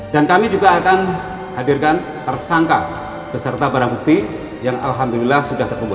dan kami juga akan hadirkan tersangka beserta barang bukti yang alhamdulillah sudah terpembul